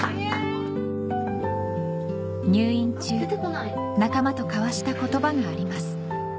入院中仲間と交わした言葉があります